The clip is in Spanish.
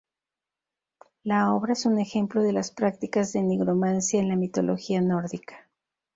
La obra es un ejemplo de las prácticas de nigromancia en la mitología nórdica.